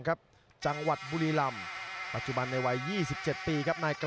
กินอันดีคอมว่าแพทพูน์